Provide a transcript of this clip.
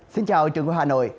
xin chào trường quay hà nội